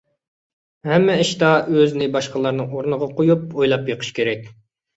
ھەممە ئىشتا ئۆزىنى باشقىلارنىڭ ئورنىغا قويۇپ ئويلاپ بېقىش كېرەك.